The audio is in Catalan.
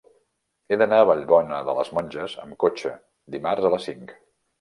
He d'anar a Vallbona de les Monges amb cotxe dimarts a les cinc.